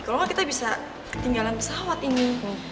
kalau nggak kita bisa ketinggalan pesawat ini